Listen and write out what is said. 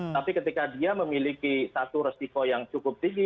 tapi ketika dia memiliki satu resiko yang cukup tinggi